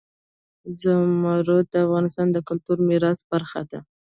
زمرد د افغانستان د کلتوري میراث برخه ده.